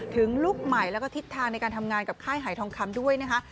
ลูกใหม่แล้วก็ทิศทางในการทำงานกับค่ายหายทองคำด้วยนะคะ